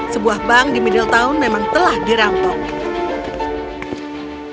sebuah bank di middletown memang telah dirampok